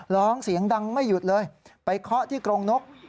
ร้องเสียงดังไม่หยุดเลยไปเคาะที่กรงนก